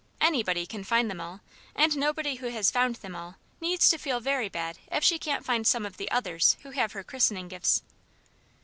Anybody can find them all; and nobody who has found them all needs to feel very bad if she can't find some of the others who have her christening gifts."